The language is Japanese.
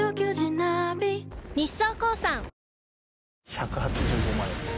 １８５万円です。